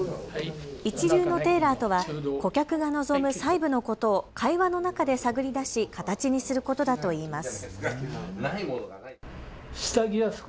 一流のテーラーとは顧客が望む細部のことを会話の中で探り出し形にすることだといいます。